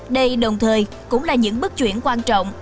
đây đồng thời cũng là những bước chuyển quan trọng